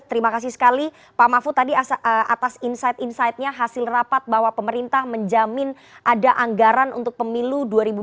terima kasih sekali pak mahfud tadi atas insight insightnya hasil rapat bahwa pemerintah menjamin ada anggaran untuk pemilu dua ribu dua puluh